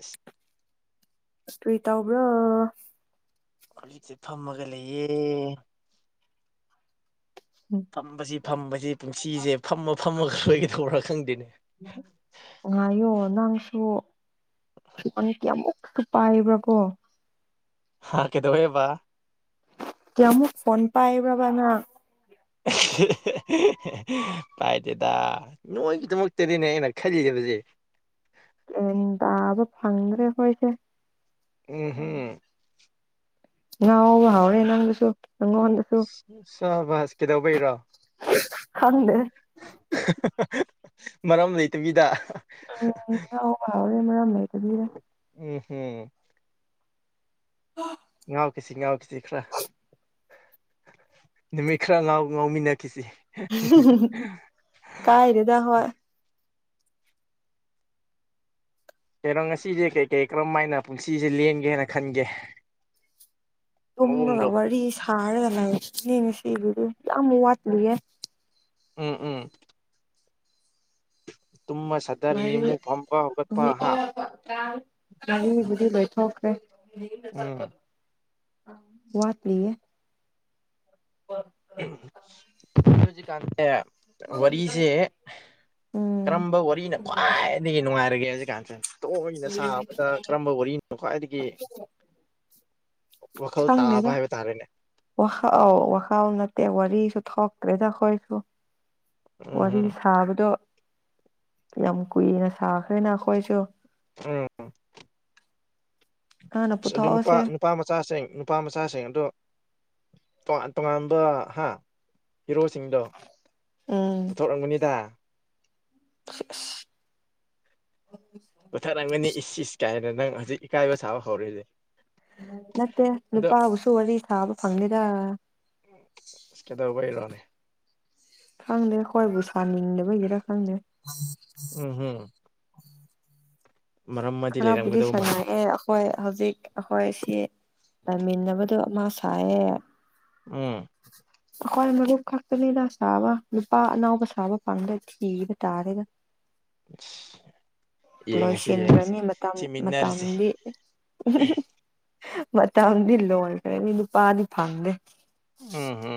ꯑꯁ ꯀ꯭ꯔꯤ ꯇꯧꯕ꯭ꯔꯣ ꯈꯨꯂꯤꯛꯁꯦ ꯐꯝꯃꯒ ꯂꯩꯌꯦ ꯐꯝꯕꯁꯤ ꯐꯝꯕꯁꯤ ꯄꯟꯁꯤꯁꯦ ꯐꯝꯃ ꯐꯝꯃꯒ ꯂꯣꯏꯒꯗꯧꯕ꯭ꯔꯥ ꯈꯪꯗꯦꯅꯦ ꯎꯪꯉꯥꯏꯌꯣ ꯅꯪꯁꯨ ꯐꯣꯟꯖꯤ ꯀꯌꯥꯃꯨꯛ ꯇꯨ ꯄꯥꯏꯕ꯭ꯔꯥ ꯀꯣ ꯍꯥ ꯀꯩꯗꯧꯋꯦꯕ ꯀꯌꯥ ꯃꯨꯛ ꯐꯣꯟ ꯄꯥꯏꯕ꯭ꯔꯕꯥ ꯅꯪ ꯑꯁꯤ ꯍꯦ ꯍꯦ ꯍꯍ ꯍꯦ ꯄꯥꯏꯗꯦꯗ ꯅꯣꯏꯒꯤꯗꯃꯛꯇꯗꯤꯅꯦ ꯑꯩꯅ ꯈꯜꯂꯤꯖꯤꯕꯖꯦ ꯂꯧꯁꯤꯟꯕ ꯉꯝꯗꯕ ꯆꯥꯕ ꯐꯪꯗ꯭ꯔꯦ ꯑꯈꯣꯏꯁꯦ ꯑꯦ ꯍꯦ ꯉꯥꯎꯕ ꯍꯧꯔꯦ ꯅꯪꯗꯨꯁꯨ ꯅꯪꯉꯣꯟꯗꯁꯨ ꯁꯕꯥꯁ ꯀꯩꯗꯧꯕꯩꯔꯣ ꯈꯪꯗꯦꯍꯦ ꯍꯍ ꯍ ꯍ ꯍ ꯃꯔꯝ ꯂꯩꯇꯕꯤꯗ ꯑꯍꯥ ꯎꯝ ꯉꯥꯎꯕ ꯍꯧꯔꯦ ꯃꯔꯝ ꯂꯩꯇꯕꯤꯗ ꯑꯦ ꯍꯦ ꯂꯧꯁꯤꯟꯕ ꯉꯝꯗꯕ ꯉꯥꯎꯀꯤꯁꯤ ꯉꯥꯎꯀꯤꯁꯤ ꯈꯔ ꯅꯨꯃꯤꯠ ꯈꯔ ꯉꯥꯎ ꯉꯥꯎꯃꯤꯟꯅꯈꯤꯁꯤ꯫ ꯀꯥꯏꯗꯦꯗ ꯍꯣꯏ꯫ ꯀꯩꯅꯣ ꯉꯁꯤꯁꯦ ꯀꯩ ꯀꯩ ꯀꯔꯝ ꯃꯥꯏꯅ ꯄꯨꯟꯁꯤꯁꯦ ꯂꯦꯟꯒꯦ ꯍꯥꯏꯅ ꯈꯟꯒꯦ꯫ ꯇꯨꯝꯃꯒ ꯃꯑꯣꯡꯗꯣ ꯋꯥꯔꯤ ꯁꯥꯔꯒꯅ ꯂꯩꯌꯦ ꯉꯁꯤꯒꯤꯗꯤ ꯌꯥꯝ ꯋꯥꯠꯂꯤꯌꯦ꯫ ꯎꯝ ꯎꯝ꯫ ꯇꯨꯝꯃ ꯁꯠ꯫ [unintelligible] ꯋꯥꯔꯤꯕꯨꯗꯤ ꯂꯣꯏꯊꯣꯈꯔ꯭ꯦ ꯎꯝ ꯋꯥꯠ ꯂꯤꯌꯦ [unintelligible] ꯣꯖꯤ ꯀꯥꯟꯗ ꯋꯥꯔꯤꯁꯦ ꯎꯝ ꯀꯔꯝꯕ ꯋꯥꯔꯤꯅ ꯈ꯭ꯋꯥꯏꯗꯒꯤ ꯅꯨꯡꯉꯥꯏꯔꯒꯦ ꯍꯧꯖꯤꯛꯀꯥꯟꯁꯦ ꯇꯣꯛꯅ ꯁꯥꯕꯗ ꯀꯔꯝꯕ ꯋꯥꯔꯤꯅꯣ ꯈ꯭ꯋꯥꯏꯗꯒꯤ [unintelligible] ꯋꯥꯈꯜ ꯇꯥꯕ ꯍꯥꯏꯕ ꯇꯥꯔꯦꯅꯦ ꯋꯥꯈꯥꯎ ꯋꯥꯈꯥꯎ ꯅꯠꯇꯦ ꯋꯥꯔꯤꯁꯨ ꯊꯣꯛꯇ꯭ꯔꯦꯗꯈꯣꯏꯁꯨ ꯎꯝ ꯋꯥꯔꯤ ꯎꯝ ꯁꯥꯕꯗꯣ ꯌꯥꯝ ꯀꯨꯏꯅ ꯁꯥꯈ꯭ꯔꯦꯅ ꯑꯩꯈꯣꯏꯁꯨ ꯎꯝ ꯍꯥꯟꯅ ꯑꯗꯨ ꯑꯗꯨ ꯅꯨꯄꯥ ꯄꯨꯊꯣꯛꯑꯁꯦ ꯅꯨꯄꯥ ꯃꯆꯥꯁꯤꯡ ꯅꯨꯄꯥ ꯃꯆꯥꯁꯤꯡ ꯑꯗꯣ ꯇꯣꯉꯥꯟ ꯇꯣꯉꯥꯟꯕ ꯍꯥ ꯍꯤꯔꯣꯁꯤꯡꯗꯣ ꯎꯝ ꯄꯨꯊꯣꯔꯝꯒꯅꯤꯗ [unintelligible] ꯄꯨꯊꯔꯝꯒꯅꯤ ꯏꯁ ꯏꯁ ꯀꯥꯏꯅ ꯅꯪ ꯍꯧꯖꯤꯛ ꯏꯀꯥꯏꯕ ꯁꯥꯕ ꯍꯧꯔꯤꯅꯦ ꯅꯠꯇꯦ ꯅꯨꯄꯥꯕꯨꯁꯨ ꯋꯥꯔꯤ ꯁꯥꯕ ꯐꯪꯗꯦꯗ ꯀꯦꯗꯕꯩꯔꯣꯅꯦ ꯈꯪꯗꯦ ꯑꯩꯈꯣꯏꯕꯨ ꯁꯥꯅꯤꯡꯗꯕꯒꯤꯔ ꯈꯪꯗꯦ ꯎꯝ ꯍꯝ ꯑꯃꯗꯤ ꯈꯔꯕꯨꯗꯤ ꯂꯩꯔꯝꯒꯗꯧ ꯃꯥꯜꯂꯦ ꯁꯥꯅꯩꯑꯦ ꯍꯣꯏ ꯍꯧꯖꯤꯛ ꯑꯩꯈꯣꯏ ꯁꯤ ꯂꯩꯃꯤꯟꯅꯕꯗꯣ ꯑꯃ ꯁꯥꯏꯌꯦ ꯎꯝ [unintelligible] ꯑꯩꯈꯣꯏ ꯃꯔꯨꯞ ꯈꯛꯇꯅꯤꯗ ꯁꯥꯕ ꯅꯨꯄꯥ ꯑꯅꯥꯎꯕ ꯁꯥꯕ ꯐꯪꯗ꯭ꯔꯦ ꯊꯤꯕ ꯇꯥꯔꯦꯗ [unintelligible] ꯌꯦꯡꯉꯁꯤ ꯌꯦꯡꯉꯁꯤ ꯂꯣꯏꯁꯤꯟꯈ꯭ꯔꯅꯤ ꯃꯇꯝ ꯊꯤꯃꯤꯟꯅꯔꯁꯤ ꯃꯇꯝꯗꯤ ꯃꯇꯝꯗꯤ ꯂꯣꯏꯈ꯭ꯔꯅꯤ ꯅꯨꯄꯥꯗꯤ ꯐꯪꯗꯦ ꯎꯝ ꯍꯝ꯫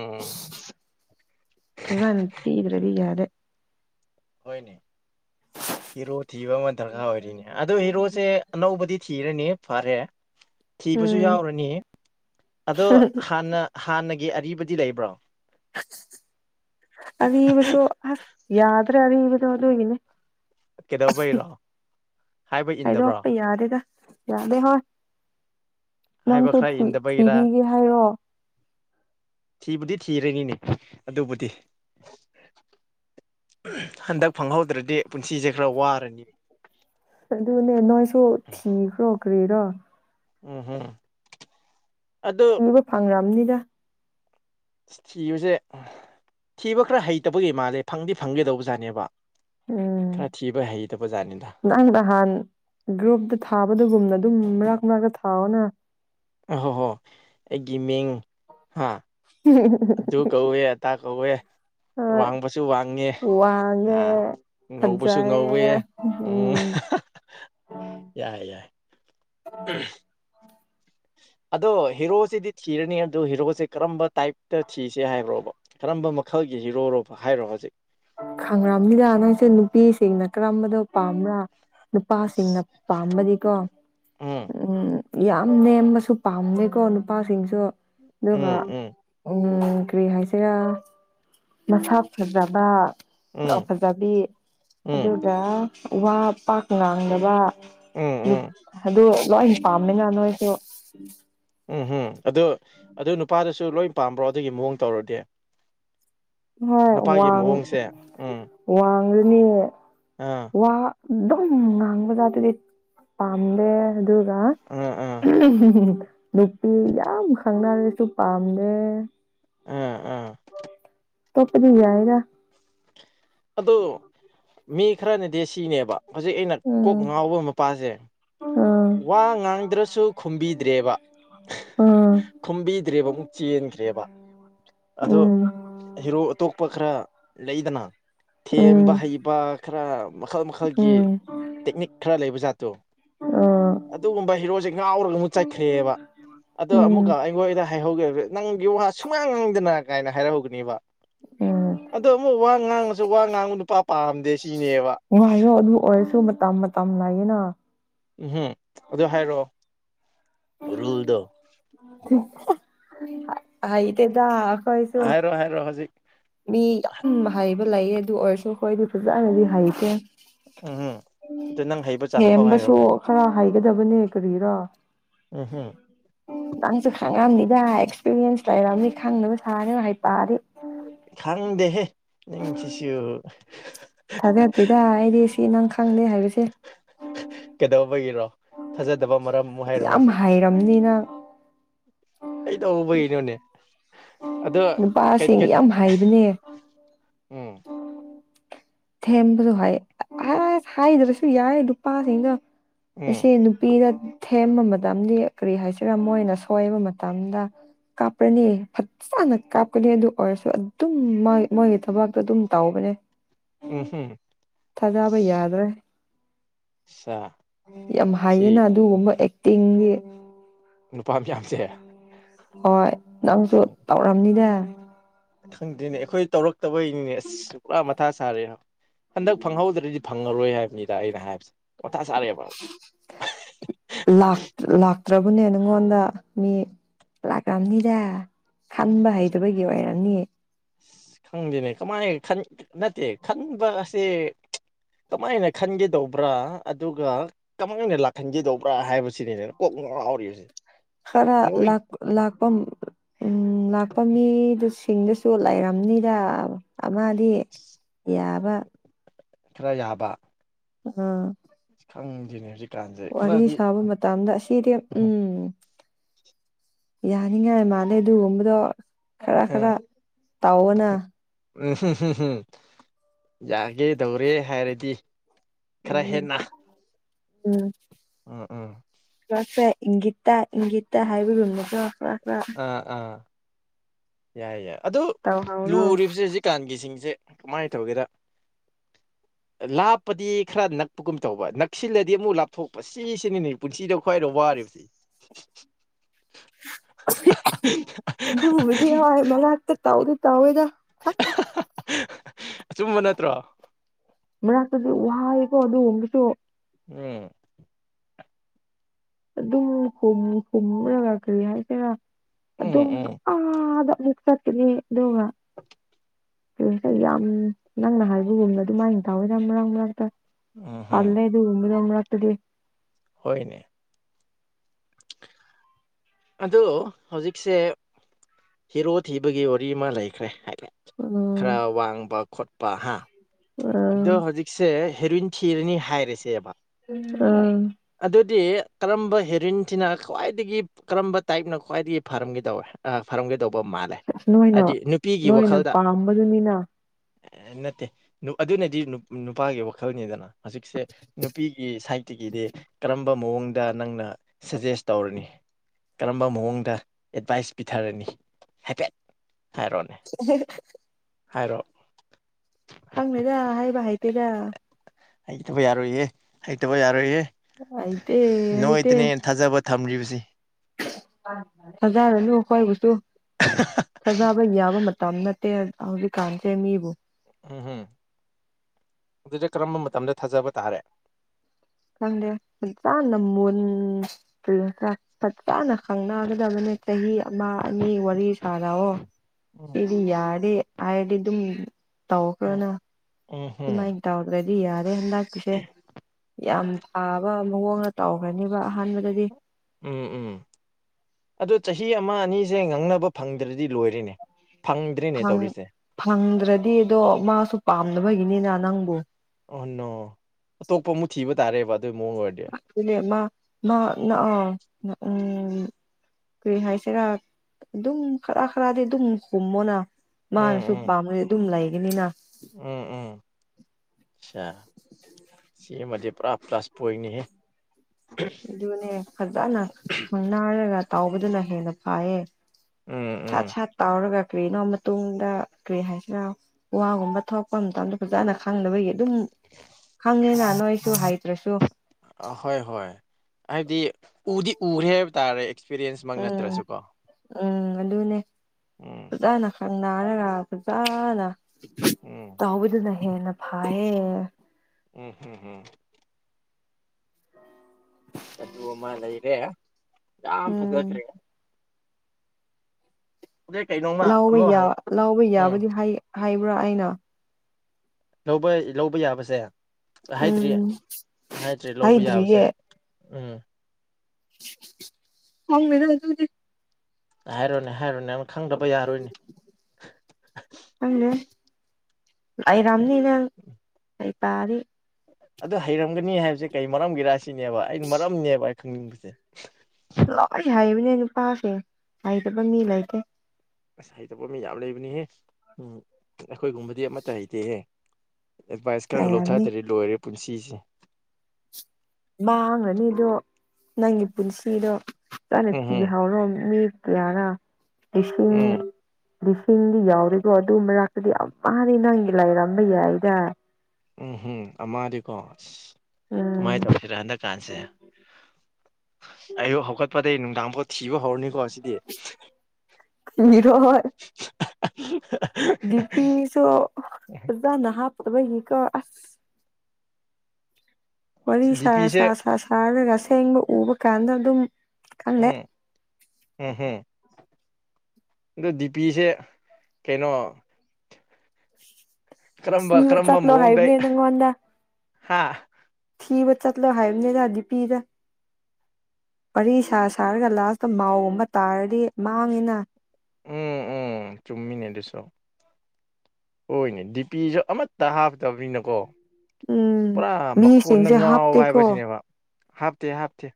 [unintelligible] ꯏ꯭ꯔꯗꯤ ꯌꯥꯗꯦ ꯍꯣꯏꯅꯦ ꯍꯤꯔꯣ ꯊꯤꯕ ꯑꯃ ꯗꯔꯀꯥꯔ ꯑꯣꯏꯔꯤꯅꯦ ꯑꯗꯨ ꯍꯤꯔꯣꯁꯦ ꯑꯅꯧꯕꯗꯤ ꯊꯤꯔꯅꯤ ꯐꯔꯦ ꯊꯤꯕꯁꯨ ꯎꯝ ꯌꯥꯎꯔꯅꯤ ꯑꯗꯣ ꯍꯥꯟꯅ ꯍꯥꯟꯅꯒꯤ ꯑꯔꯤꯕꯗꯤ ꯂꯩꯕ꯭ꯔꯣ ꯑꯔꯤꯕꯁꯨ ꯌꯥꯗ꯭ꯔꯦ ꯑꯔꯤꯕꯗꯣ ꯑꯗꯨꯒꯤꯅꯤ ꯀꯩꯗꯧꯕꯩꯔꯣ ꯍꯥꯏꯕ ꯏꯟꯗꯕ꯭ꯔꯣ ꯍꯥꯏꯗꯣꯄ ꯌꯥꯗꯦꯗ ꯌꯥꯗꯦ ꯍꯣꯏ ꯍꯥꯏꯕ ꯅꯪꯁꯨ ꯈꯔ ꯏꯟꯗꯕꯩꯔꯥ ꯊꯤꯕꯤꯒꯦ ꯍꯥꯏꯔꯣ ꯊꯤꯕꯨꯗꯤ ꯊꯤꯔꯅꯤꯅꯦ ꯑꯗꯨꯕꯨꯗꯤ ꯍꯟꯗꯛ ꯐꯪꯍꯧꯗ꯭ꯔꯗꯤ ꯄꯨꯟꯁꯤꯁꯦ ꯈꯔ ꯋꯥꯔꯅꯤ ꯑꯗꯨꯅꯦ ꯅꯣꯏꯁꯨ ꯊꯤꯈ꯭ꯔꯣ ꯀꯔꯤꯔꯥ ꯎꯝ ꯍꯨꯝ ꯄꯨꯕ ꯐꯪꯈ꯭ꯔꯕꯅꯤꯗ ꯑꯁ ꯊꯤꯕꯁꯦ ꯊꯤꯕ ꯈꯔ ꯍꯩꯇꯕꯒꯤ ꯃꯥꯜꯂꯦ ꯐꯪꯗꯤ ꯐꯪꯒꯦꯗꯧꯕꯖꯥꯠꯅꯦꯕ ꯎꯝ ꯈꯔ ꯊꯤꯕ ꯍꯩꯇꯕꯥꯖꯠꯅꯤꯗ ꯅꯪ ꯅꯍꯥꯟ ꯒ꯭ꯔꯨꯞꯇ ꯊꯥꯕꯗꯨꯒꯨꯝꯅ ꯑꯗꯨꯝ ꯃꯔꯛ ꯃꯔꯛꯇ ꯊꯥꯎꯑꯣꯅ ꯑ ꯍꯣ ꯍꯣ ꯑꯩꯒꯤ ꯃꯤꯡ ꯍꯥ ꯑꯗꯨ ꯀꯧꯋꯦ ꯑꯗꯥ ꯀꯧꯋꯦ ꯍꯣꯏ ꯋꯥꯡꯕꯁꯨ ꯋꯥꯡꯉꯦ ꯋꯥꯡꯉꯦ ꯑꯥ ꯉꯧꯕꯁꯨ ꯉꯧꯋꯦ ꯐꯖꯩꯌꯦ ꯎꯝ ꯌꯥꯏ ꯌꯥꯏ ꯑꯗꯣ ꯍꯤꯔꯣꯁꯤꯗꯤ ꯊꯤꯔꯅꯤ ꯑꯗꯣ ꯍꯤꯔꯣꯁꯦ ꯀꯔꯝꯕ ꯇꯥꯏꯞꯇ ꯊꯤꯁꯦ ꯍꯥꯏꯕ꯭ꯔꯣꯕ ꯀꯔꯝꯕ ꯃꯈꯜꯒꯤ ꯍꯤꯔꯣꯔꯣ ꯍꯥꯏꯔꯣ ꯍꯧꯖꯤꯛ ꯈꯥꯡ꯭ꯔꯥꯝ ꯂꯤꯗ ꯅꯪꯁꯨ ꯅꯨꯄꯤꯁꯤꯡꯅ ꯀꯔꯝꯕꯗꯣ ꯄꯥꯝꯕ꯭ꯔꯥ ꯅꯨꯄꯥꯁꯤꯡꯅ ꯄꯥꯝꯕꯗꯤꯀꯣ ꯎꯝ ꯌꯥꯝ ꯅꯦꯝꯕꯁꯨ ꯄꯥꯝꯗꯦꯀꯣ ꯅꯨꯄꯥꯁꯤꯡꯁꯨ꯫ ꯑꯗꯨꯒ ꯎꯝ ꯎꯝ ꯎꯝ ꯀꯔꯤ ꯍꯥꯏꯁꯤꯔꯥ ꯃꯁꯥꯛ ꯐꯖꯕ ꯎꯝ ꯕꯥ ꯆꯥꯕꯤ ꯎꯝ ꯑꯗꯨꯒ ꯋꯥ ꯄꯥꯛ ꯉꯥꯡꯗꯕ ꯎꯝ ꯎꯝ ꯑꯗꯨ ꯂꯣꯏ ꯄꯥꯝꯃꯤꯅ ꯅꯣꯏꯁꯨ ꯎꯝ ꯍꯝ ꯑꯗꯨ ꯑꯗꯨ ꯅꯨꯄꯥꯗꯁꯨ ꯂꯣꯏ ꯄꯥꯝꯕ꯭ꯔꯣ ꯑꯗꯨꯒꯤ ꯃꯑꯣꯡ ꯇꯧꯔꯗꯤ ꯍꯣꯏ ꯅꯨꯄꯥꯒꯤ ꯋꯥꯡ ꯃꯑꯣꯡꯁꯦ ꯎꯝ ꯋꯥꯡꯔꯅꯤ ꯑꯥ ꯋꯥ ꯑꯗꯨꯝ ꯉꯥꯡꯕꯖꯥꯠꯗꯨꯗꯤ ꯄꯥꯝꯗꯦ ꯑꯗꯨꯒꯥ ꯑꯥ ꯑꯥ [unintelligible] ꯅꯨꯄꯤ ꯌꯥꯝ ꯈꯪꯅꯔꯁꯨ ꯄꯥꯝꯗꯦ ꯑꯥ ꯑꯥ ꯇꯨꯞꯄꯖꯨ ꯌꯥꯏꯗ ꯑꯗꯨ ꯃꯤ ꯈꯔꯅꯗꯤ ꯁꯤꯅꯦꯕ ꯍꯧꯖꯤꯛ ꯑꯩꯅ ꯀꯣꯛ ꯎꯝ ꯉꯥꯎꯕ ꯃꯄꯥꯁꯦ ꯎꯝ ꯋꯥ ꯉꯥꯡꯗ꯭ꯔꯁꯨ ꯈꯨꯝꯕꯤꯗ꯭ꯔꯦꯕ ꯎꯝ ꯈꯨꯝꯕꯤꯗ꯭ꯔꯦꯕ ꯑꯃꯨꯛ ꯆꯦꯟꯈ꯭ꯔꯦꯕ ꯑꯗꯣ ꯎꯝ ꯍꯤꯔꯣ ꯑꯇꯣ ꯑꯄ ꯈꯔ ꯂꯩꯗꯅ ꯊꯦꯝꯕ ꯎꯝ ꯍꯩꯕ ꯈꯔ ꯃꯈꯜ ꯃꯈꯜꯒꯤ ꯎꯝ ꯇꯦꯛꯅꯤꯛ ꯈꯔ ꯂꯩꯕ ꯖꯥꯠꯇꯣ ꯑꯣ ꯑꯗꯨꯒꯨꯝꯕ ꯍꯤꯔꯣꯁꯦ ꯉꯥꯎꯔꯒ ꯑꯃꯨꯛ ꯆꯠꯈ꯭ꯔꯦꯕ ꯑꯗꯣ ꯑꯃꯨꯛꯀ ꯎꯝ ꯑꯩꯈꯣꯏꯗ ꯍꯥꯏꯍꯧꯒꯦ ꯅꯪꯒꯤ ꯋꯥ ꯁꯨꯃꯥꯡ ꯉꯥꯡꯗꯅ ꯀꯥꯏꯅ ꯍꯥꯏꯔꯛꯍꯧꯒꯅꯦꯕ ꯎꯝ ꯑꯗꯣ ꯑꯃꯨꯛ ꯋꯥ ꯉꯥꯡꯉꯁꯨ ꯋꯥ ꯉꯥꯡꯕ ꯅꯨꯄꯥ ꯄꯥꯝꯗꯦ ꯁꯤꯅꯦꯕ ꯅꯨꯡꯉꯥꯏꯌꯣ ꯑꯗꯨ ꯑꯣꯏꯔꯁꯨ ꯃꯇꯝ ꯃ ꯇꯝ ꯅꯏꯩꯅ ꯎꯝꯍꯨꯝ ꯑꯗꯨ ꯍꯥꯏꯔꯣ ꯔꯨꯜꯗꯣ ꯍꯩꯇꯦꯗ ꯑꯩꯈꯣꯏꯁꯨ ꯍꯥꯏꯔꯣ ꯍꯥꯏꯔꯣ ꯍꯧꯖꯤꯛ ꯃꯤ ꯌꯥꯝ ꯍꯩꯕ ꯂꯩꯌꯦ ꯑꯗꯨ ꯑꯣꯏꯔꯁꯨ ꯑꯩꯈꯣꯏꯗꯤ ꯐꯖꯅꯗꯤ ꯍꯩꯇꯦ ꯎꯝꯍꯝ ꯑꯗꯨ ꯅꯪ ꯍꯩꯕ ꯆꯥꯡ ꯐꯥꯎ ꯊꯦꯝꯕꯁꯨ ꯍꯥꯏꯔꯣꯅꯦ ꯈꯔ ꯍꯥꯏꯒꯗꯕꯅꯦ ꯀꯔꯤꯔꯥ ꯎꯝꯍꯝ ꯅꯪꯁꯨ ꯈꯪꯉꯝꯅꯤꯗ ꯑꯦꯛꯁꯄꯤꯔꯤꯌꯦꯟꯁ ꯂꯩꯔꯝꯅꯤ ꯈꯪꯗꯕ ꯁꯥꯔꯅꯨ ꯍꯩꯄꯥꯗꯤ ꯈꯪꯗꯦꯍꯦ ꯅꯪ ꯆꯤꯁꯨ ꯊꯥꯒꯠꯇꯦꯗ ꯑꯩꯗꯤ ꯁꯤ ꯅꯪ ꯈꯪꯗꯦ ꯍꯥꯏꯕꯁꯦ ꯀꯩꯗꯧꯕꯒꯤꯔꯣ ꯊꯥꯖꯗꯕ ꯃꯔꯝ ꯑꯃꯨꯛ ꯍꯥꯏꯔꯣ ꯌꯥꯝ ꯍꯧꯖꯤꯛ ꯍꯩꯔꯝꯅꯤ ꯅꯪ ꯑꯩ ꯇꯧꯕꯩꯅꯣꯅꯦ ꯑꯗꯣ ꯀꯩꯠ ꯅꯨꯄꯥꯁꯤꯡ ꯀꯦꯠ ꯌꯥꯝ ꯍꯩꯕꯅꯦ ꯎꯝ ꯊꯦꯝꯕꯁꯨ ꯍꯩ ꯍꯥꯏ ꯑꯁ ꯍꯥꯏꯗ꯭ꯔꯁꯨ ꯌꯥꯏ ꯅꯨꯄꯥꯁꯤꯡꯗꯣ ꯉꯁꯤ ꯎꯝ ꯅꯨꯄꯤꯗ ꯊꯦꯝꯕ ꯃꯇꯝꯗꯤ ꯀꯔꯤ ꯍꯥꯏꯁꯤꯔꯥ ꯃꯣꯏꯅ ꯁꯣꯏꯕ ꯃꯇꯝꯗ ꯀꯥꯞꯄ꯭ꯔꯅꯦ ꯆꯞ ꯆꯥꯅ ꯀꯥꯞꯀꯅꯤ ꯑꯗꯨ ꯑꯣꯏꯔꯁꯨ ꯑꯗꯨꯝ ꯃꯣꯏ ꯃꯣꯏꯒꯤ ꯊꯕꯛꯇꯣ ꯑꯗꯨꯝ ꯇꯧꯕꯅꯦ ꯎ ꯍꯝ ꯊꯥꯖꯕ ꯌꯥꯗ꯭ꯔꯦ ꯁꯥ ꯌꯥꯝ ꯍꯥꯏꯌꯦꯅ ꯁꯤ ꯑꯗꯨꯒꯨꯝꯕ ꯑꯦꯛꯇꯤꯡꯒꯤ ꯅꯨꯄꯥ ꯃꯌꯥꯝꯁꯦ ꯍꯣꯏ ꯅꯪꯁꯨ ꯇꯧꯔꯝꯅꯤꯗ ꯈꯪꯗꯦꯅꯦ ꯑꯩꯈꯣꯏ ꯇꯧꯔꯛꯇꯕꯩꯅꯤꯅꯦ ꯑꯁ ꯄꯨꯔꯥ ꯃꯊꯥ ꯁꯥꯔꯦ ꯍꯟꯗꯛ ꯐꯪꯍꯧꯗ꯭ꯔꯗꯤ ꯐꯪꯉꯔꯣꯏ ꯍꯥꯏꯕꯅꯤꯗ ꯑꯩꯅ ꯍꯥꯏꯕꯁꯦ ꯃꯊꯥ ꯁꯥꯥꯔꯦꯕ [inaudible] ꯂꯥꯛꯇ꯭ꯔꯕꯅꯦ ꯅꯪꯉꯣꯟꯗ ꯃꯤ ꯂꯥꯛꯕꯅꯤꯗꯦ ꯈꯟꯕ ꯑꯁ ꯍꯩꯇꯕꯒꯤ ꯑꯣꯏꯔꯅꯤꯌꯦ ꯑꯁ ꯈꯪꯗꯦꯅꯦ ꯀꯃꯥꯏꯅ ꯅꯠꯇꯦ ꯈꯟꯕꯁꯦ ꯀꯃꯥꯏꯅ ꯈꯟꯒꯗꯧꯕ꯭ꯔꯥ ꯑꯗꯨꯒ ꯀꯃꯥꯏꯅꯅ ꯂꯥꯛꯍꯟꯈꯤꯗꯧꯕ꯭ꯔꯥ ꯍꯥꯏꯕꯁꯤꯅꯤꯅꯦꯅ ꯀꯣꯛ ꯉꯥꯎꯔꯤꯕꯁꯦ ꯈꯔ ꯅꯣꯏ ꯂ ꯂꯥꯛꯄ ꯎꯝ ꯂꯥꯛꯄ ꯃꯤꯗꯨꯁꯤꯡꯗꯨꯁꯨ ꯂꯩꯔꯝꯅꯤꯗ ꯑꯃꯗꯤ ꯌꯥꯕ ꯈꯔ ꯌꯥꯕ ꯑꯥ ꯈꯪꯗꯦꯅꯦ ꯍꯧꯖꯤꯛ ꯋꯥꯔꯤ ꯁꯥꯕ ꯃꯇꯝꯗ ꯑꯁꯤꯗꯤ ꯎꯝ ꯌꯥꯅꯤꯡꯉꯥꯏ ꯃꯥꯂ ꯑꯗꯨꯒꯨꯝꯕꯗꯣ ꯈꯔ ꯈꯔ ꯑ ꯇꯧꯑꯣꯅ ꯎꯝ ꯎꯝ ꯎꯝ ꯌꯥꯒꯦ ꯇꯧꯔꯦ ꯍꯥꯏꯔꯗꯤ ꯈꯔ ꯎꯝ ꯍꯦꯟꯅ ꯎꯝ ꯎꯝ ꯎꯝ ꯈ꯭ꯔ ꯈ꯭ꯔꯦ ꯏꯪꯒꯤꯇꯥ ꯏꯪꯒꯤꯇꯥ ꯍꯥꯏꯕꯒꯨꯝꯃꯤꯗ꯭ꯔꯣ ꯈꯔ ꯈꯔꯥ ꯑꯥ ꯑꯥ ꯌꯥꯏ ꯌꯥꯏ ꯑꯗꯨ ꯇꯧꯍꯧꯔꯣ ꯂꯨꯔꯤꯕꯁꯤ ꯍꯧꯖꯤꯛ ꯀꯥꯟꯒꯤꯁꯤꯡꯁꯦ ꯀꯃꯥꯏꯅ ꯇꯧꯒꯦꯗ [inaudible] ꯂꯥꯞꯄꯗꯤ ꯈꯔ ꯅꯛꯄꯒꯨꯝ ꯇꯧꯕ ꯅꯛꯁꯤꯜꯂꯗꯤ ꯑꯃꯨꯛ ꯂꯥꯞꯊꯣꯛꯄ ꯁꯤꯁꯤꯅꯤꯅꯦ ꯄꯨꯟꯁꯤꯗ ꯈ꯭ꯋꯥꯏꯗ ꯋꯥꯔꯤꯕꯁꯤ [inaudible] ꯑꯗꯨꯕꯕꯨꯗꯤ ꯍꯣꯏ ꯃꯉꯛꯇ ꯇꯥꯎꯗꯤ ꯇꯧꯋꯦꯗ ꯑꯆꯨꯝꯕ ꯅꯠꯇ꯭ꯔꯣ [inaudible] ꯃꯅꯥꯛꯇꯗꯤ ꯋꯥꯀꯣ ꯑꯗꯨꯒꯨꯝꯕꯁꯨ ꯎꯝ ꯑꯗꯨꯝ ꯍꯨꯝꯂꯒ ꯀꯔꯤ ꯍꯥꯏꯁꯤꯦꯔꯥ ꯎꯝ ꯑꯗꯨꯝ ꯎꯝ ꯑ ꯑꯗ ꯃꯤꯠ ꯆꯠꯀꯅꯤ ꯑꯗꯨꯒꯕ [inaudible] ꯌꯥꯝ ꯅꯪꯅ ꯍꯥꯏꯕꯒꯨꯝꯅ ꯑꯗꯨꯃꯥꯏꯅ ꯇꯧꯋꯦ ꯌꯥꯝ ꯃꯔꯛ ꯃꯔꯛꯇ ꯎꯝ ꯎꯝ ꯄꯜꯦ ꯑꯗꯨ ꯎꯃꯤꯗꯝ ꯃꯠꯇꯗꯤ ꯍꯣꯏꯅꯦ ꯑ ꯍꯧꯖꯤꯛꯁꯦ ꯍꯤꯔꯣ ꯊꯤꯕꯒꯤ ꯋꯥꯔꯤ ꯑꯃ ꯂꯩꯈ꯭ꯔꯦ ꯍꯥꯏꯗꯤ ꯎꯝ ꯈꯔ ꯋꯥꯡꯕ ꯈꯣꯠꯄ ꯍꯥ ꯎꯝ ꯑꯣ ꯍꯧꯖꯤꯛ ꯁꯦ ꯍꯦꯔꯣꯏꯏꯟ ꯊꯤꯔꯅꯤ ꯍꯥꯏꯔꯤꯁꯦꯕ ꯎꯝ ꯑꯗꯨꯗꯤ ꯀꯔꯝꯕ ꯍꯦꯔꯣꯏꯟꯁꯤꯅ ꯈ꯭ꯋꯥꯏꯗꯒꯤ ꯀꯔꯝꯕ ꯇꯥꯏꯞꯅ ꯈ꯭ꯋꯥꯏꯗꯒꯤ ꯐꯥꯔꯝꯒꯦ ꯇꯧꯋꯦ ꯐꯔꯝꯒꯗꯧꯕ ꯃꯥꯜꯂꯦ ꯑꯁ ꯅꯣꯏꯅ ꯍꯥꯏꯗꯤ ꯅꯨꯄꯤꯒꯤ ꯅꯣꯏꯅ ꯋꯥꯈꯜꯗ ꯄꯥꯝꯕꯗꯨꯅꯤꯅ ꯅꯠꯇꯦ ꯑꯗꯨꯅꯗꯤ ꯅꯨꯄꯥꯒꯤ ꯋꯥꯈꯜꯅꯤꯗꯅ ꯍꯧꯖꯤꯛꯁꯦ ꯅꯨꯄꯤꯒꯤ ꯁꯥꯏꯠꯇꯒꯤꯗꯤ ꯀꯔꯝꯕ ꯃꯑꯣꯡꯗ ꯅꯪꯅ ꯁꯖꯦꯁ ꯇꯧꯔꯅꯤ ꯀꯔꯝꯕ ꯃꯑꯣꯡꯗ ꯑꯦꯠꯚꯥꯏꯁ ꯄꯤꯊꯔꯅꯤ ꯍꯥꯏꯐꯦꯠ ꯍꯥꯏꯔꯣꯅꯦ ꯍ ꯍꯥꯏꯔꯣ ꯊꯪꯅꯗ ꯍꯥꯏꯕ ꯍꯥꯏꯩꯇꯦꯗ ꯍꯩꯇꯕ ꯌꯥꯔꯣꯏꯌꯦꯦ ꯍꯩꯇꯕ ꯌꯥꯔꯣꯏꯌꯦ ꯍꯩꯇꯦ ꯍꯩꯇꯦ ꯅꯣꯏꯇꯅꯦꯅ ꯊꯥꯖꯕ ꯊꯝꯔꯤꯕꯁꯤ ꯍꯖꯥ ꯍꯅꯤꯈꯣꯏ ꯨ ꯊꯥꯖꯕ ꯌꯥꯕ ꯃꯇꯝ ꯅꯠꯇꯦ ꯍꯧꯖꯤꯛꯀꯥꯟꯁꯦ ꯃꯤꯕꯨ ꯎꯝ ꯎꯝ ꯑꯗꯨꯗ ꯀꯔꯝꯕ ꯃꯇꯝꯗ ꯊꯥꯖꯕ ꯇꯥꯔꯦ ꯀꯗꯦ ꯅꯝꯟ ꯐꯠ ꯆꯥꯅ ꯈꯪꯅꯒꯗꯕꯅꯦ ꯆꯍꯤ ꯑꯃ ꯑꯅꯤ ꯋꯥꯔꯤ ꯁꯥꯔꯛꯑꯣ ꯎꯝ ꯁꯤꯗꯤ ꯌꯥꯔꯦ ꯍꯥꯏꯔꯗꯤ ꯑꯗꯨꯝ ꯎꯝ ꯇꯧꯈ꯭ꯔꯅ ꯎꯝ ꯍꯝ ꯇꯥꯎꯗ꯭ꯔꯗꯤ ꯌꯥꯔꯦ ꯍꯟꯗꯛꯀꯤꯁꯦ ꯌꯥꯝ ꯇꯥꯕ ꯃꯑꯣꯡꯗ ꯇꯧꯈ꯭ꯔꯅꯦꯕ ꯑꯍꯥꯟꯕꯗꯗꯤ ꯎꯝ ꯎꯝ ꯑꯗꯣ ꯆꯍꯤ ꯑꯃ ꯑꯅꯤꯁꯦ ꯉꯥꯡꯅꯕ ꯐꯪꯗ꯭ꯔꯗꯤ ꯂꯣꯏꯔꯤꯅꯦ ꯐꯪꯗ꯭ꯔꯤꯅꯦ ꯐꯪ ꯇꯧꯔꯤꯁꯦ ꯐꯪꯗ꯭ꯔꯗꯤ ꯑꯗꯣ ꯃꯥꯁꯨ ꯄꯥꯝꯅꯕꯒꯤꯅꯤꯅ ꯅꯪꯕꯨ ꯑ ꯅꯣ ꯑꯇꯣꯞꯄ ꯑꯃꯨꯛ ꯊꯤꯕ ꯇꯥꯔꯦꯕ ꯑꯗꯨꯒꯤ ꯃꯑꯣꯡ ꯑꯣꯏꯔꯗꯤ ꯃꯥ ꯃꯥ ꯑ ꯎꯝ ꯀꯩ ꯍꯥꯏꯁꯤꯔꯥ ꯑꯗꯨꯝ ꯈꯔ ꯈꯔꯗꯤ ꯑꯗꯨꯝ ꯍꯨꯝꯃꯣꯅ ꯎꯝ ꯃꯥꯅꯁꯨ ꯎꯝ ꯄꯥꯝꯝꯕꯗꯤ ꯑꯗꯨꯝ ꯂꯩꯒꯅꯤꯅ ꯎꯝ ꯎꯝ ꯑ ꯁꯤ ꯃ ꯄ꯭ꯔꯥꯞ ꯀ꯭ꯂ꯭ꯂꯥꯁ ꯄꯣꯏꯅꯤꯍꯦ ꯑꯗꯨꯅꯦ ꯐꯖꯅ ꯁꯣꯡꯅꯥꯔꯒ ꯇꯥꯎꯕꯗꯨꯅ ꯍꯦꯟꯅ ꯐꯌꯦ ꯎꯝ ꯁꯥꯠ ꯎꯝ ꯁꯥꯠ ꯇꯥꯎꯔꯒ ꯀꯩꯅꯣ ꯃꯇꯨꯡꯗ ꯀꯔꯤ ꯍꯥꯏꯁꯤꯔꯑꯣ ꯋꯥꯒꯨꯝꯕ ꯊꯔꯛꯄ ꯃꯇꯝꯗ ꯐꯖꯅ ꯈꯪꯅꯕꯒꯤ ꯑꯗꯨꯝ ꯈꯪꯉꯦ ꯅꯍꯥꯟ ꯅꯣꯏꯁꯨ ꯍꯇ꯭ꯔꯁꯨ ꯑꯍꯣꯏ ꯍꯣꯏ ꯍꯥꯏꯕꯗꯤ ꯎꯗꯤ ꯎꯔꯦ ꯍꯥꯏꯕ ꯇꯥꯔꯦ ꯑꯦꯛꯁꯄꯤꯔꯤꯌꯦꯟꯁꯃꯛ ꯎꯝ ꯅꯠꯇ꯭ꯔꯁꯨ ꯀꯣ ꯎꯝ ꯑꯗꯨꯅꯦ ꯎꯝ ꯐꯖꯅ ꯈꯪ ꯅꯥꯔꯒ ꯐꯖꯅ ꯎꯝ ꯇꯍꯕꯨꯗꯨꯅꯍꯦꯅꯐꯍꯦ ꯎꯝ ꯍꯝ ꯎꯝ ꯁ ꯑꯗꯨ ꯑꯃ ꯂꯩꯔꯦ ꯌꯥꯝ ꯎꯝ ꯐꯖꯈ꯭ꯔꯦ ꯑꯗꯩ ꯀꯩꯅꯣꯝꯃ ꯂꯥꯎꯕ ꯑꯃ ꯍꯪ ꯌꯥ ꯂꯥꯎꯕ ꯎꯝ ꯌꯥꯕꯗꯤ ꯍꯥꯏꯕ꯭ꯔꯥ ꯑꯩꯅ ꯂꯧꯕ ꯂꯧꯕ ꯌꯥꯕꯁꯦ ꯎꯝ ꯍꯥꯏꯗ꯭ꯔꯤ ꯍꯥꯏꯗ꯭ꯔꯤ ꯂꯧꯕ ꯌꯥꯕꯁꯦ ꯍꯩꯗ꯭ꯔꯤꯌꯦ ꯎꯝ ꯍ ꯃꯗ ꯑꯗꯨ ꯍꯥꯏꯔꯣꯅꯦ ꯍꯥꯏꯔꯣꯅꯦ ꯑꯗꯨꯅ ꯈꯪꯗꯕ ꯌꯥꯔꯣꯏꯅꯦ ꯅꯪꯅꯦ ꯑꯩꯔꯝꯅꯤ ꯅ ꯑꯩ ꯇꯥꯔꯤ ꯑꯗꯨ ꯍꯩꯔꯝꯒꯅꯤ ꯍꯥꯏꯕꯁꯦ ꯀꯩ ꯃꯔꯝꯒꯤꯔꯥ ꯁꯤꯅꯦꯕ ꯑꯩꯅ ꯃꯔꯝꯅꯦꯕ ꯑꯩ ꯈꯪꯅꯤꯡꯕꯁꯦ ꯂꯣꯏ ꯍꯩꯕꯅꯦ ꯅꯨꯄꯥꯁꯦ ꯍꯩꯇꯕ ꯃꯤ ꯂꯩꯇꯦ ꯑꯁ ꯍꯩꯇꯕ ꯃꯤ ꯌꯥꯝ ꯂꯩꯕꯅꯤꯍꯦ ꯎꯝ ꯑꯩꯈꯣꯏꯒꯨꯝꯕꯗꯤ ꯑꯃꯠꯇ ꯍꯩꯇꯦꯍꯦ ꯑꯦꯗꯚꯥꯏꯁ ꯈꯔꯒ ꯍꯩꯔꯝꯅꯤ ꯂꯧꯊꯗꯔꯤ ꯂꯣꯏꯔꯦ ꯄꯨꯟꯁꯤꯁꯦ ꯃꯥꯡꯉꯅꯤꯗꯣ ꯅꯪꯒꯤ ꯄꯨꯟꯁꯤꯗꯣ ꯆꯥꯅ ꯎꯝ ꯍꯝ ꯊꯤꯕꯍꯥꯎꯔꯣ ꯃꯤ ꯀꯔ ꯁ ꯎꯝ ꯂꯤꯁꯤꯡꯗꯤ ꯌꯥꯎꯔꯤꯀꯣ ꯑꯗꯨ ꯃꯔꯥꯛꯛꯇꯗꯤ ꯑꯗꯤ ꯅꯪꯒꯤ ꯂꯥꯏꯔꯝꯕ ꯌꯥꯏꯗ ꯎꯝ ꯎꯝ ꯑꯃꯗꯤꯗꯤꯀꯣ ꯑꯁ ꯎꯝ ꯀꯃꯥꯏꯅ ꯇꯧꯔꯦ ꯍꯟꯗꯛꯀꯥꯟꯁꯦ ꯑꯩ ꯍꯛꯠ ꯄꯥꯇꯩ ꯗꯝꯄꯔ ꯊꯔꯤꯕ ꯍꯔꯅꯤ ꯀꯣꯁꯤ [unintelligible] [unintelligible] ꯗꯤꯄꯤꯁꯨ ꯐꯖꯥꯅ ꯍꯥꯞꯇꯕꯒꯤ ꯀꯣ ꯑꯁ ꯋꯥꯔꯤ ꯁꯥ ꯁꯥ ꯗꯤꯄꯤꯁꯦ ꯁꯥ ꯁꯥꯔꯒ ꯑꯁꯦꯡꯕ ꯎꯕ ꯀꯥꯟꯗ ꯑꯗꯨꯝ ꯈꯪꯂꯦ ꯑꯦ ꯑꯦꯍ‌ꯦ ꯑꯗꯣ ꯗꯤꯄꯤꯁꯦ ꯀꯩꯅꯣ ꯀꯔꯝꯕ ꯁꯤꯕ ꯆꯠꯂꯣ ꯍꯥꯏꯕꯅꯦ ꯅꯪꯉꯣꯟꯗ ꯍꯥꯥ ꯊꯤꯕ ꯆꯠꯂꯣ ꯍꯥꯏꯕꯅꯤꯗ ꯗꯤꯄꯤꯗ‌ꯣ ꯋꯥꯔꯤ ꯁꯥ ꯁꯥꯔꯒ ꯂꯥꯁꯇ ꯃꯥꯎꯒꯨꯝꯕ ꯇꯥꯔꯗꯤ ꯃꯥꯡꯉꯤꯅ ꯎꯝ ꯎꯝ ꯆꯨꯝꯃꯤꯅꯦ ꯑꯗꯨꯁꯨ ꯍꯣꯏꯅꯦ ꯗꯤꯄꯤꯁꯨ ꯑꯃꯠꯇ ꯍꯥꯞꯇꯕꯅꯤꯅꯀꯣ ꯎꯝ ꯄꯨꯔꯥ ꯃꯈꯣꯟꯗ ꯃꯤꯁꯤꯡꯁꯦ ꯉꯥꯎ ꯍꯥꯞꯇꯦꯀꯣ ꯍꯥꯏꯕꯁꯤꯅꯦꯕ ꯍꯥꯞꯇꯦ ꯍꯥꯞꯇꯦ